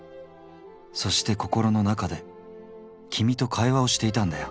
そして心の中で君と会話をしていたんだよ。